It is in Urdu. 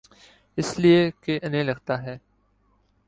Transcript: اس لئے کہ انہیں لگتا ہے۔